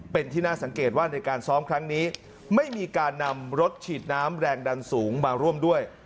เป็นที่น่าสังเกตว่าในการซ้อมครั้งนี้ไม่มีการนำรถฉีดน้ำแรงดันสูงมาร่วมด้วย